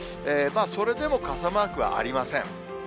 それでも傘マークはありません。